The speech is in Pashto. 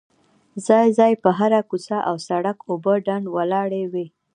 ځای ځای په هره کوڅه او سړ ک اوبه ډنډ ولاړې وې.